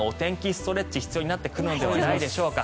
ストレッチが必要になってくるのではないでしょうか。